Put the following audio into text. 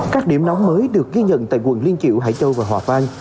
các điểm nóng mới được ghi nhận tại quận liên triệu hải châu và hòa vang